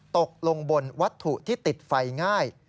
ตกลงบนวัตถุที่ติดไฟง่าย